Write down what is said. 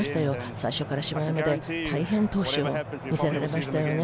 最初から大変闘志を見せられましたよね。